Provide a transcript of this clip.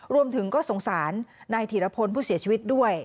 รวมถึงก็สงสารนายถีรพลผู้เสียชีวิตด้วย